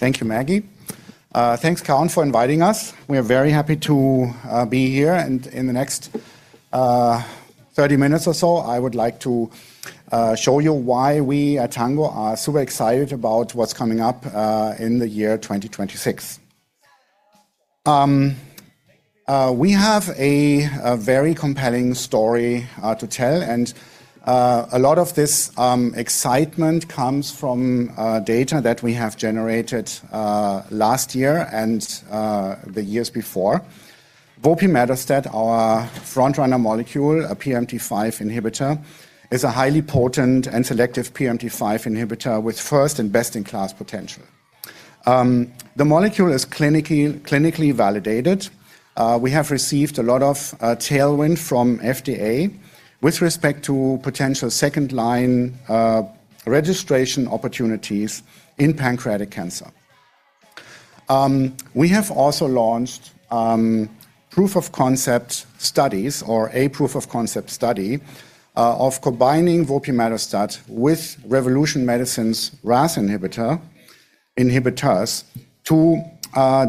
Thank you, Maggie. Thanks, Karen, for inviting us. We are very happy to be here, and in the next 30 minutes or so, I would like to show you why we at Tango are super excited about what's coming up in the year 2026. We have a very compelling story to tell, and a lot of this excitement comes from data that we have generated last year and the years before. vopimetostat, our front-runner molecule, a PRMT5 inhibitor, is a highly potent and selective PRMT5 inhibitor with first and best-in-class potential. The molecule is clinically validated. We have received a lot of tailwind from FDA with respect to potential second-line registration opportunities in pancreatic cancer. We have also launched proof-of-concept studies or a proof-of-concept study of combining vopimetostat with Revolution Medicines' RAS inhibitors to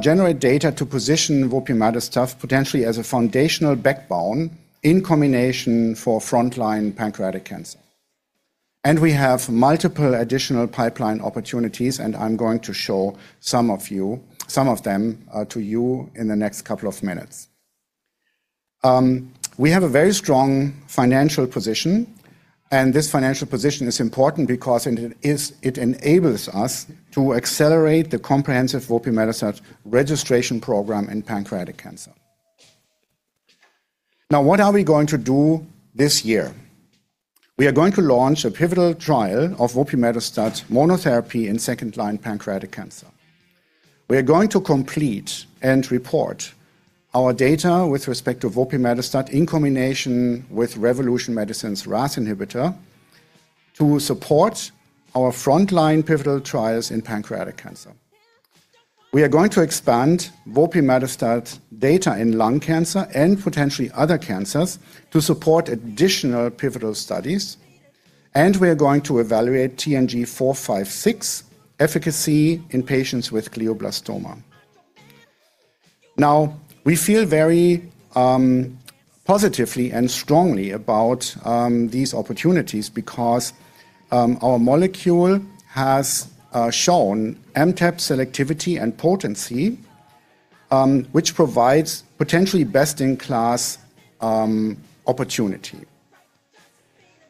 generate data to position vopimetostat potentially as a foundational backbone in combination for frontline pancreatic cancer. We have multiple additional pipeline opportunities, and I'm going to show some of them to you in the next couple of minutes. We have a very strong financial position, and this financial position is important because it enables us to accelerate the comprehensive vopimetostat registration program in pancreatic cancer. What are we going to do this year? We are going to launch a pivotal trial of vopimetostat monotherapy in second-line pancreatic cancer. We are going to complete and report our data with respect to vopimetostat in combination with Revolution Medicines RAS inhibitor to support our frontline pivotal trials in pancreatic cancer. We are going to expand vopimetostat data in lung cancer and potentially other cancers to support additional pivotal studies. We are going to evaluate TNG456 efficacy in patients with glioblastoma. We feel very positively and strongly about these opportunities because our molecule has shown MTAP selectivity and potency, which provides potentially best-in-class opportunity.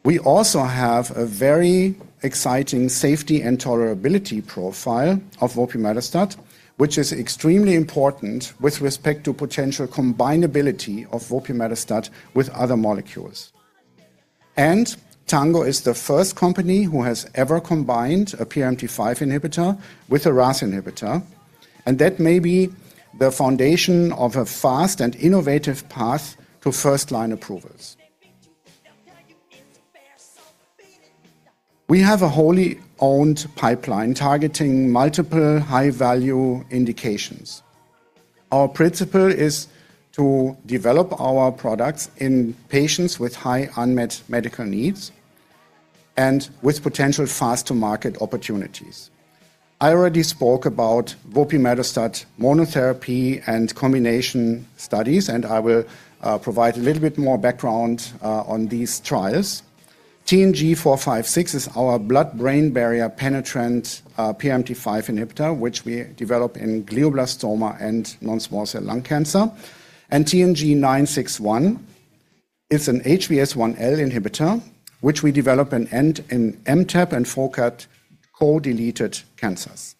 We also have a very exciting safety and tolerability profile of vopimetostat, which is extremely important with respect to potential combinability of vopimetostat with other molecules. Tango is the first company who has ever combined a PRMT5 inhibitor with a RAS inhibitor, and that may be the foundation of a fast and innovative path to first-line approvals. We have a wholly owned pipeline targeting multiple high-value indications. Our principle is to develop our products in patients with high unmet medical needs and with potential fast-to-market opportunities. I already spoke about vopimetostat monotherapy and combination studies, and I will provide a little bit more background on these trials. TNG456 is our blood-brain barrier penetrant PRMT5 inhibitor, which we develop in glioblastoma and non-small cell lung cancer. TNG961 is an HVS1L inhibitor, which we develop in MTAP and PRCAT1 co-deleted cancers.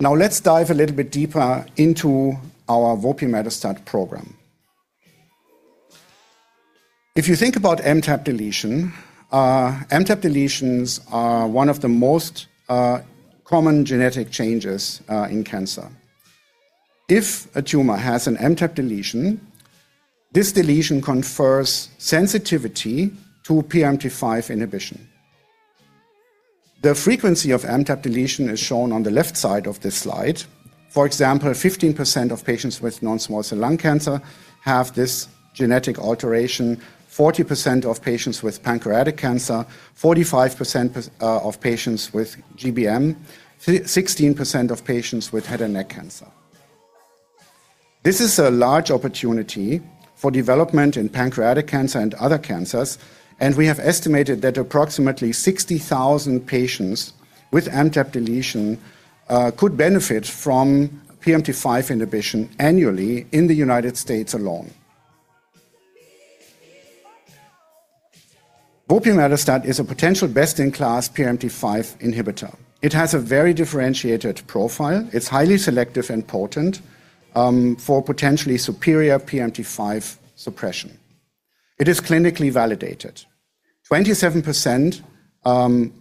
Let's dive a little bit deeper into our vopimetostat program. If you think about MTAP deletion, MTAP deletions are one of the most common genetic changes in cancer. If a tumor has an MTAP deletion, this deletion confers sensitivity to PRMT5 inhibition. The frequency of MTAP deletion is shown on the left side of this slide. For example, 15% of patients with non-small cell lung cancer have this genetic alteration, 40% of patients with pancreatic cancer, 45% of patients with GBM, 16% of patients with head and neck cancer. This is a large opportunity for development in pancreatic cancer and other cancers. We have estimated that approximately 60,000 patients with MTAP deletion could benefit from PRMT5 inhibition annually in the United States alone. vopimetostat is a potential best-in-class PRMT5 inhibitor. It has a very differentiated profile. It's highly selective and potent for potentially superior PRMT5 suppression. It is clinically validated. 27%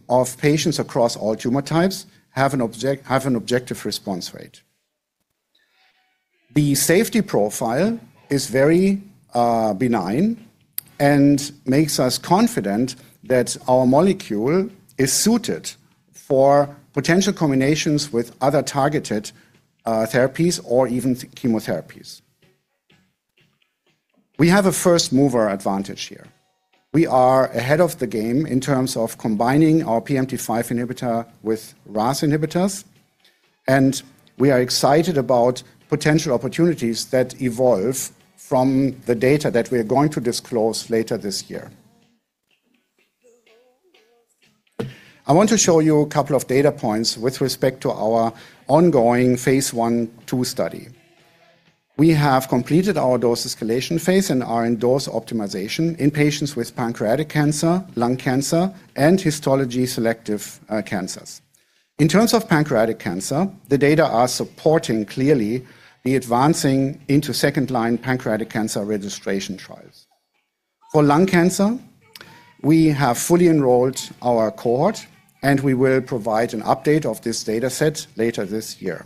of patients across all tumor types have an objective response rate. The safety profile is very benign and makes us confident that our molecule is suited for potential combinations with other targeted therapies or even chemotherapies. We have a first-mover advantage here. We are ahead of the game in terms of combining our PRMT5 inhibitor with RAS inhibitors, and we are excited about potential opportunities that evolve from the data that we are going to disclose later this year. I want to show you a couple of data points with respect to our ongoing Phase I/II study. We have completed our dose escalation phase and are in dose optimization in patients with pancreatic cancer, lung cancer, and histology-selective cancers. In terms of pancreatic cancer, the data are supporting clearly the advancing into second-line pancreatic cancer registration trials. For lung cancer, we have fully enrolled our cohort, and we will provide an update of this dataset later this year.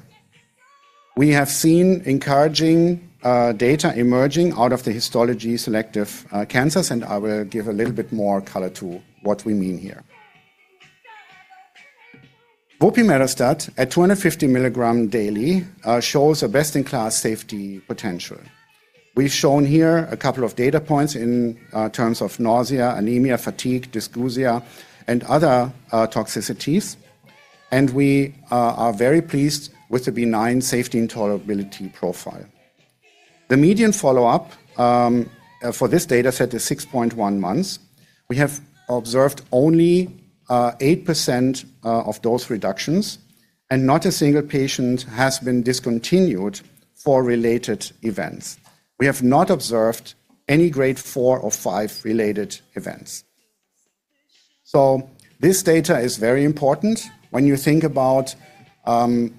We have seen encouraging data emerging out of the histology-selective cancers, and I will give a little bit more color to what we mean here. vopimetostat at 250 milligram daily shows a best-in-class safety potential. We've shown here a couple of data points in terms of nausea, anemia, fatigue, dysgeusia, and other toxicities, and we are very pleased with the benign safety and tolerability profile. The median follow-up for this dataset is 6.1 months. We have observed only 8% of dose reductions, and not a single patient has been discontinued for related events. We have not observed any grade 4 or 5 related events. This data is very important when you think about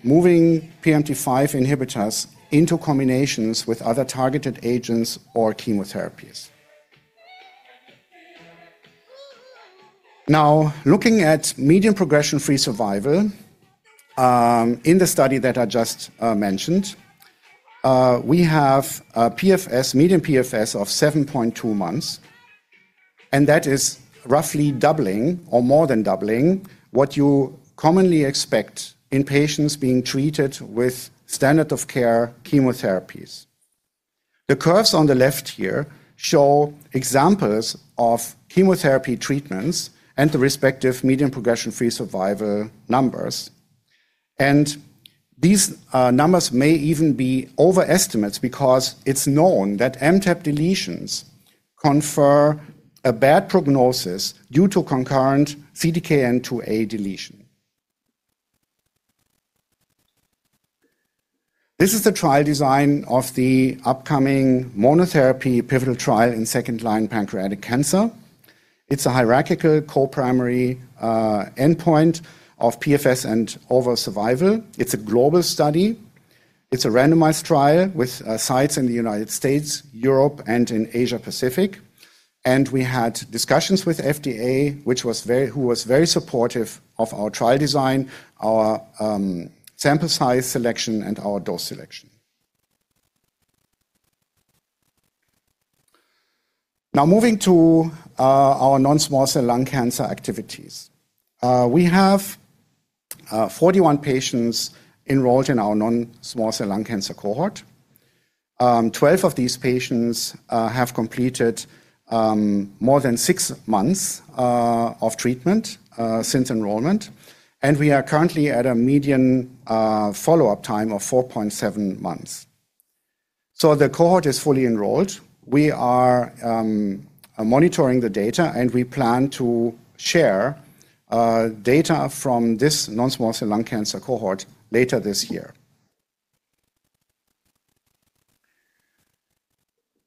moving PRMT5 inhibitors into combinations with other targeted agents or chemotherapies. Looking at median progression-free survival, in the study that I just mentioned, we have a PFS, median PFS of 7.2 months, and that is roughly doubling or more than doubling what you commonly expect in patients being treated with standard of care chemotherapies. The curves on the left here show examples of chemotherapy treatments and the respective median progression-free survival numbers. These numbers may even be overestimates because it's known that MTAP deletions confer a bad prognosis due to concurrent CDKN2A deletion. This is the trial design of the upcoming monotherapy pivotal trial in second-line pancreatic cancer. It's a hierarchical co-primary endpoint of PFS and overall survival. It's a global study. It's a randomized trial with sites in the United States, Europe, and in Asia Pacific. We had discussions with FDA, who was very supportive of our trial design, our sample size selection, and our dose selection. Now moving to our non-small cell lung cancer activities. We have 41 patients enrolled in our non-small cell lung cancer cohort. 12 of these patients have completed more than 6 months of treatment since enrollment, and we are currently at a median follow-up time of 4.7 months. The cohort is fully enrolled. We are monitoring the data, and we plan to share data from this non-small cell lung cancer cohort later this year.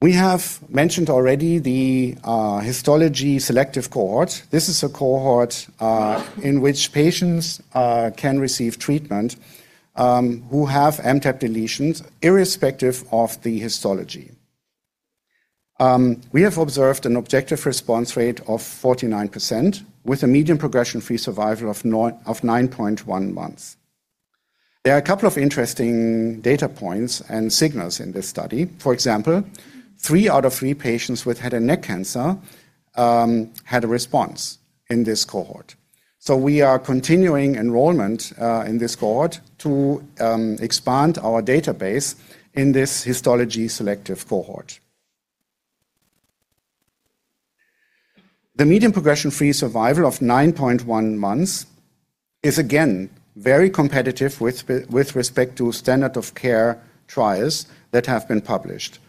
We have mentioned already the histology selective cohort. This is a cohort in which patients can receive treatment who have MTAP deletions irrespective of the histology. We have observed an objective response rate of 49% with a median progression-free survival of 9.1 months. There are a couple of interesting data points and signals in this study. For example, 3 out of 3 patients with head and neck cancer had a response in this cohort. We are continuing enrollment in this cohort to expand our database in this histology selective cohort. The median progression-free survival of 9.1 months is again, very competitive with respect to standard of care trials that have been published.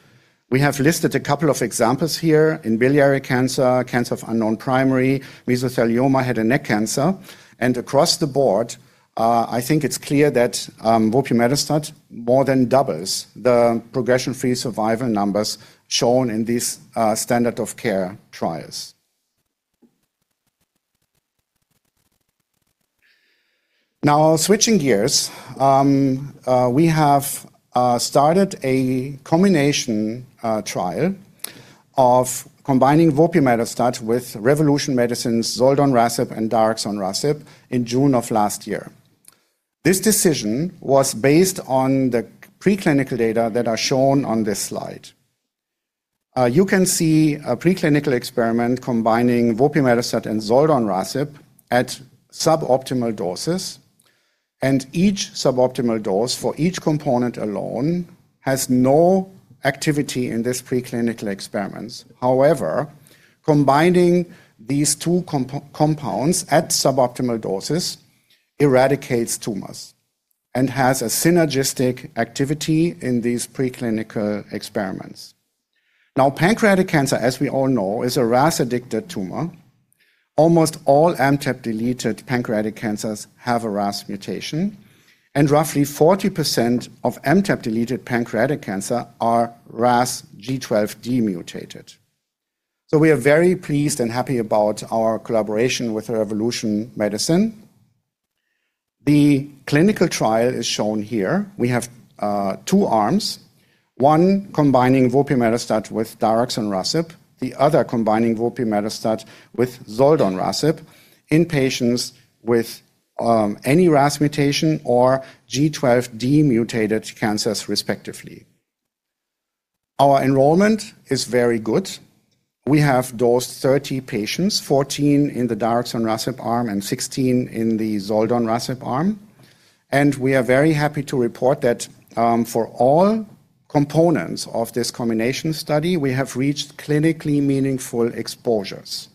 We have listed a couple of examples here in biliary cancer of unknown primary, mesothelioma, head and neck cancer, and across the board, I think it's clear that vopimetostat more than doubles the progression-free survival numbers shown in these standard of care trials. Switching gears, we have started a combination trial of combining vopimetostat with Revolution Medicines' zoldonrasib and daraxonrasib in June of last year. This decision was based on the preclinical data that are shown on this slide. You can see a preclinical experiment combining vopimetostat and zoldonrasib at suboptimal doses. Each suboptimal dose for each component alone has no activity in this preclinical experiments. However, combining these two compounds at suboptimal doses eradicates tumors and has a synergistic activity in these preclinical experiments. Pancreatic cancer, as we all know, is a RAS-addicted tumor. Almost all MTAP-deleted pancreatic cancers have a RAS mutation, and roughly 40% of MTAP-deleted pancreatic cancer are RAS G12D mutated. We are very pleased and happy about our collaboration with Revolution Medicines. The clinical trial is shown here. We have two arms, one combining vopimetostat with daraxonrasib, the other combining vopimetostat with zoldonrasib in patients with any RAS mutation or G12D-mutated cancers respectively. Our enrollment is very good. We have dosed 30 patients, 14 in the daraxonrasib arm and 16 in the zoldonrasib arm. We are very happy to report that for all components of this combination study, we have reached clinically meaningful exposures.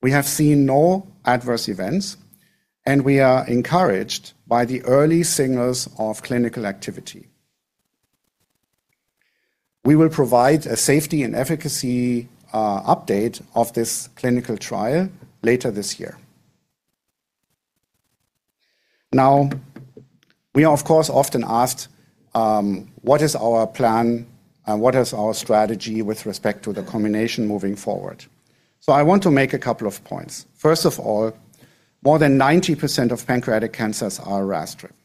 We have seen no adverse events, and we are encouraged by the early signals of clinical activity. We will provide a safety and efficacy update of this clinical trial later this year. Now, we are, of course, often asked what is our plan and what is our strategy with respect to the combination moving forward. I want to make a couple of points. First of all, more than 90% of pancreatic cancers are RAS-driven.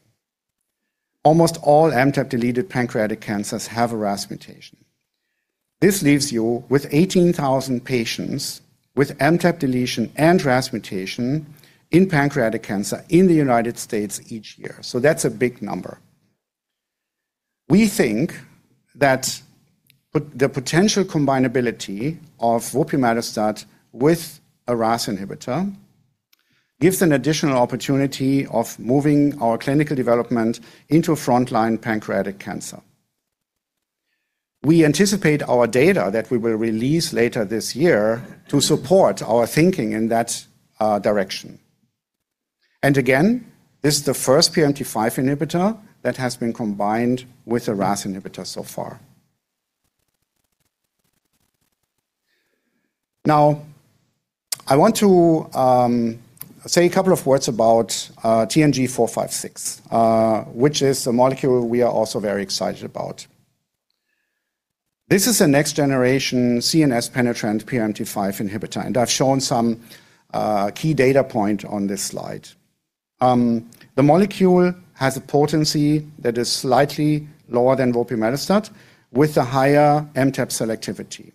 Almost all MTAP-deleted pancreatic cancers have a RAS mutation. This leaves you with 18,000 patients with MTAP deletion and RAS mutation in pancreatic cancer in the United States each year. That's a big number. We think that the potential combinability of vopimetostat with a RAS inhibitor gives an additional opportunity of moving our clinical development into frontline pancreatic cancer. We anticipate our data that we will release later this year to support our thinking in that direction. This is the first PRMT5 inhibitor that has been combined with a RAS inhibitor so far. Now, I want to say a couple of words about TNG456, which is a molecule we are also very excited about. This is a next-generation CNS penetrant PRMT5 inhibitor, and I've shown some key data point on this slide. The molecule has a potency that is slightly lower than vopimetostat with a higher MTAP selectivity.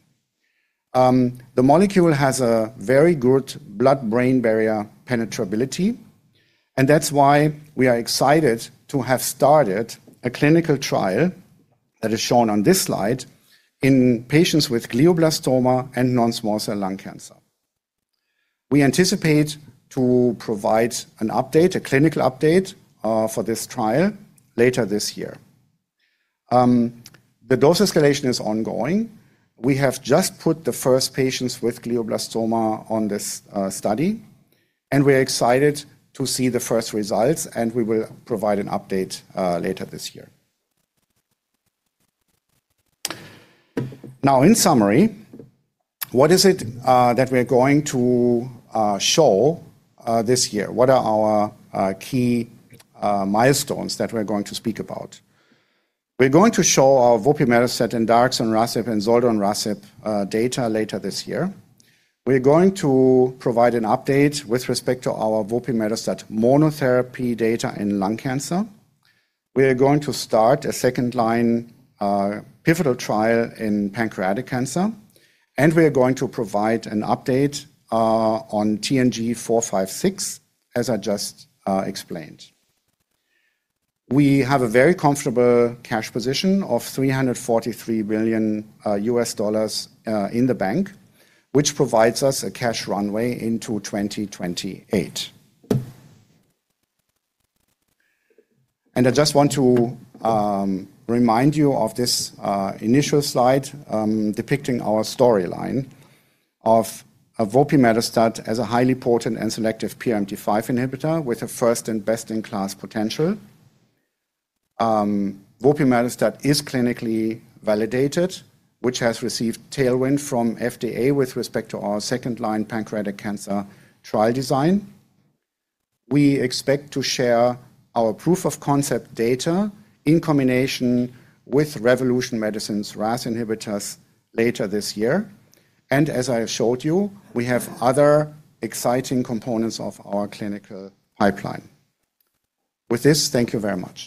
The molecule has a very good blood-brain barrier penetrability, and that's why we are excited to have started a clinical trial that is shown on this slide in patients with glioblastoma and non-small cell lung cancer. We anticipate to provide an update, a clinical update, for this trial later this year. The dose escalation is ongoing. We have just put the first patients with glioblastoma on this study, and we're excited to see the first results, and we will provide an update later this year. Now, in summary, what is it that we're going to show this year? What are our key milestones that we're going to speak about? We're going to show our vopimetostat and daraxonrasib and zoldonrasib data later this year. We're going to provide an update with respect to our vopimetostat monotherapy data in lung cancer. We are going to start a second-line pivotal trial in pancreatic cancer, and we are going to provide an update on TNG456, as I just explained. We have a very comfortable cash position of $343 billion in the bank, which provides us a cash runway into 2028. I just want to remind you of this initial slide depicting our storyline of vopimetostat as a highly potent and selective PRMT5 inhibitor with a first and best-in-class potential. Vopimetostat is clinically validated, which has received tailwind from FDA with respect to our second-line pancreatic cancer trial design. We expect to share our proof of concept data in combination with Revolution Medicines' RAS inhibitors later this year. As I have showed you, we have other exciting components of our clinical pipeline. With this, thank you very much.